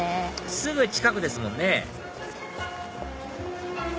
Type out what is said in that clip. すぐ近くですもんね